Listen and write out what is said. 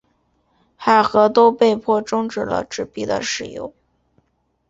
海合都被迫中止了纸币的使用。